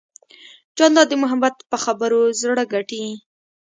جانداد د محبت په خبرو زړه ګټي.